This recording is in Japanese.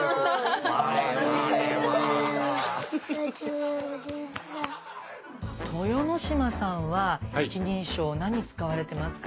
なんかこうね豊ノ島さんは一人称何使われてますか？